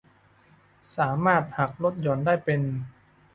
สามารถหักลดหย่อนได้เป็น